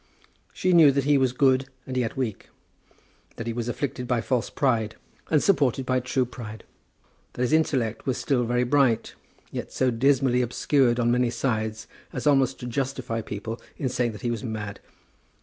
She knew that he was good and yet weak, that he was afflicted by false pride and supported by true pride, that his intellect was still very bright, yet so dismally obscured on many sides as almost to justify people in saying that he was mad.